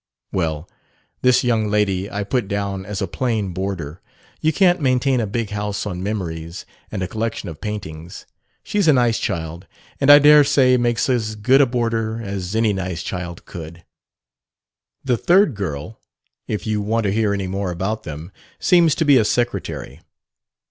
Well, this young lady I put down as a plain boarder you can't maintain a big house on memories and a collection of paintings. She's a nice child, and I dare say makes as good a boarder as any nice child could. "The third girl if you want to hear any more about them seems to be a secretary.